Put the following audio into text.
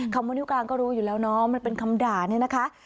คำว่านิ้วกลางก็รู้อยู่แล้วเนาะมันเป็นคำด่านี่นะคะ